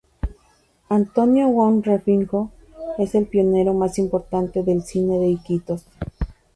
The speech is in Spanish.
Antonio Wong Rengifo es el pionero más importante del cine de Iquitos.